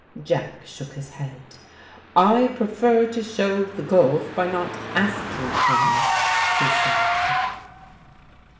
Jack shook his head. "I prefer to show the gulf by not asking him," he said.